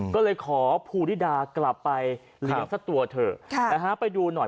ก็เลยขอภูริดากลับไปเลี้ยงสักตัวเถอะนะฮะไปดูหน่อย